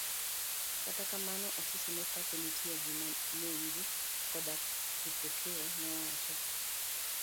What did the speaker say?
Kata kamano, Asisi ne pache nitie e gima min gi koda Kipokeo newacho.